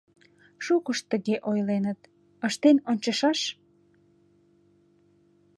Шукышт тыге ойленыт: «Ыштен ончышаш.